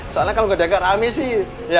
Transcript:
soalnya kamu gak denger rame sih